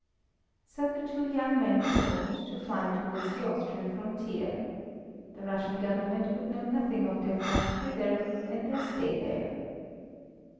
So the two young men resolved to fly towards the Austrian frontier. The Russian Government would know nothing of their flight thither and their stay there.